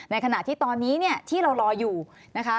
ในขณะที่ตอนนี้ที่เรารออยู่นะคะ